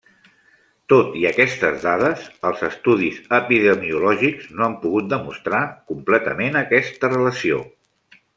Tot i aquestes dades, els estudis epidemiològics no han pogut demostrar completament aquesta relació.